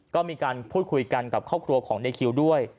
ก็มีการพูดคุยกันกับครอบครัวของในคิวด้วย